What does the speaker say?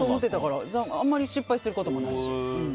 あんまり失敗することもないし。